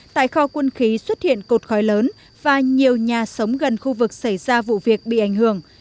tại kho quân khí xuất hiện cột khói lớn và nhiều nhà sống gần khu vực xảy ra vụ việc bị ảnh hưởng